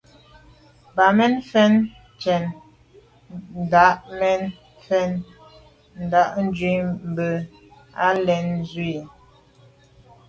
Bǎmén cɛ̌n tsjə́ŋ tà’ mɛ̀n fɛ̀n ndǎʼndjʉ̂ mə́ gə̀ lɛ̌n wú.